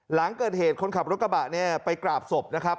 หลังเกิดเหตุคนขับรถกระบะเนี่ยไปกราบศพนะครับ